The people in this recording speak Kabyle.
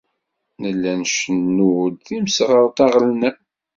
Nella ncennu-d imseɣret aɣelnaw.